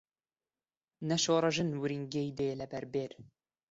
نە شۆڕەژن ورینگەی دێ لەبەر بێر